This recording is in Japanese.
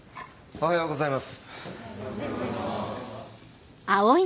おはようございます。